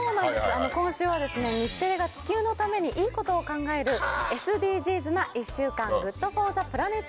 今週は日テレが地球のためにいいことを考えるＳＤＧｓな１週間ＧｏｏｄＦｏｒｔｈｅＰｌａｎｅｔ